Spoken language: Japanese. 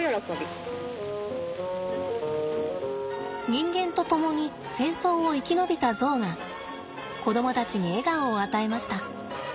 人間と共に戦争を生き延びたゾウが子供たちに笑顔を与えました。